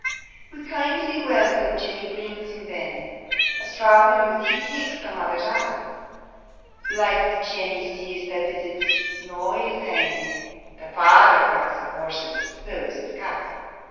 Wi' kindly welcome, Jenny brings him ben; A strappin youth, he takes the mother's eye; Blythe Jenny sees the visit's no ill ta'en; The father cracks of horses, pleughs, and kye.